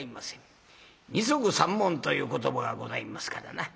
二束三文という言葉がございますからな。